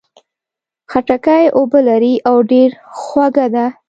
خټکی اوبه لري، خو ډېر خوږه ده.